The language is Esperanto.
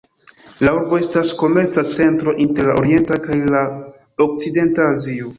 La urbo estas komerca centro inter la orienta kaj la okcidenta Azio.